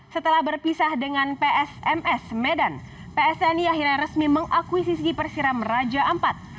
setelah berpisah dengan ps ms medan ps tni akhirnya resmi mengakui sisi persiram raja ampat